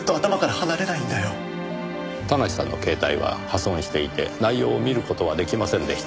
田無さんの携帯は破損していて内容を見る事は出来ませんでした。